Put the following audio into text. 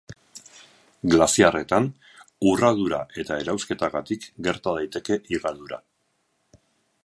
Glaziarretan, urradura eta erauzketagatik gerta daiteke higadura.